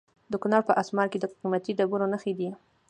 د کونړ په اسمار کې د قیمتي ډبرو نښې دي.